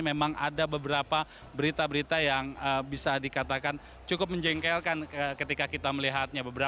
memang ada beberapa berita berita yang bisa dikatakan cukup menjengkelkan ketika kita melihatnya